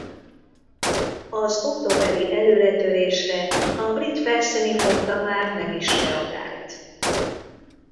Az októberi előretörésre a brit felszíni flotta már nem is reagált.